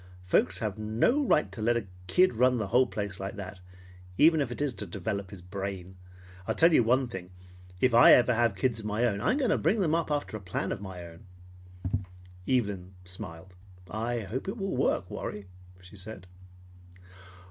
Folks have no right to let a kid run the whole place like that, even if it is to develop his brain. I'll tell you one thing, if ever I have any kids of my own, I'm going to bring them up after a plan of my own." Evelyn smiled. "I hope it will work, Warry," she said.